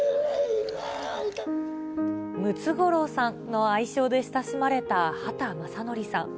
ムツゴロウさんの愛称で親しまれた畑正憲さん。